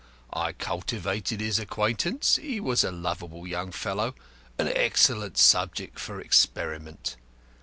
I cultivated his acquaintance he was a lovable young fellow, an excellent subject for experiment.